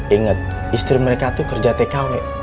ingat istri mereka itu kerja tkw